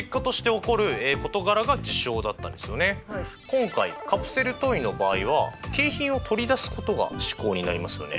今回カプセルトイの場合は景品を取り出すことが試行になりますよね。